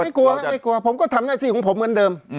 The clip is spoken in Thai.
ไม่กลัวผมก็ทำในสิ่งของผมเงินเดิม